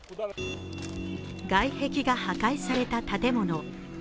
外壁が破壊された建物。